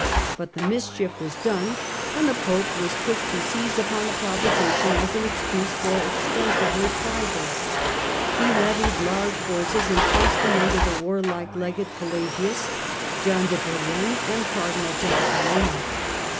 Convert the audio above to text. But the mischief was done and the Pope was quick to seize upon the provocation as an excuse for extensive reprisals. He levied large forces and placed them under the warlike Legate Pelagius, John de Brienne and Cardinal John Colonna.